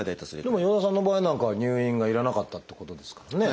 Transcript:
でも与田さんの場合なんかは入院が要らなかったってことですからね。